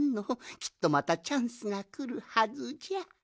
きっとまたチャンスがくるはずじゃ。